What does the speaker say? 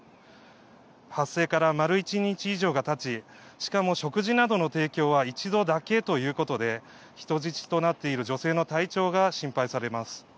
発生から丸１日以上が経ちしかも食事などの提供は一度だけということで人質となっている女性の体調が心配されます。